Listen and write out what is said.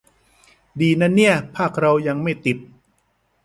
ดีนะเนี่ย ภาคเรายังไม่ติด